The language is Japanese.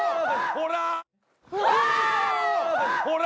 ほら！